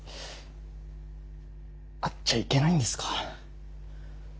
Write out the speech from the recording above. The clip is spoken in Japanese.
会っちゃいけないんですか。